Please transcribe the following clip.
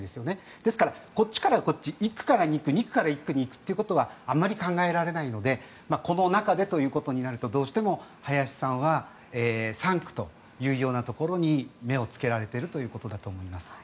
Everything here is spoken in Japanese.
ですから、こっちからこっち１区から２区２区から１区に行くことはあまり考えられないのでこの中でとなると、どうしても林さんは３区というようなところに目をつけられていることだと思います。